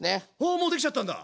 あもう出来ちゃったんだ！